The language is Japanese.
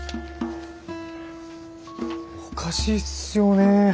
おかしいっすよね。